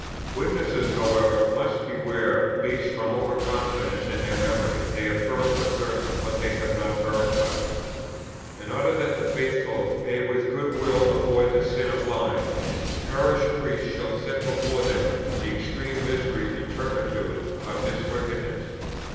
"Witnesses, however, must beware, lest, from over confidence in their memory, they affirm for certain, what they have not verified. "In order that the faithful may with more good will avoid the sin of lying, the Parish Priest shall set before them the extreme misery and turpitude of this wickedness.